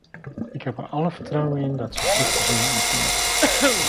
Ik heb er alle vertrouwen in dat ze vruchten zullen afwerpen.